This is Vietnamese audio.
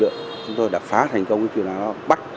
chúng tôi đã phá thành công chuyên án bắt